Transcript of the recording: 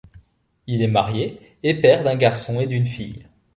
Il est marié et père d'un garçon et d'une fille.